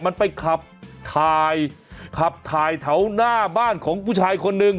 มันไปขับถ่ายขับถ่ายแถวหน้าบ้านของผู้ชายคนหนึ่ง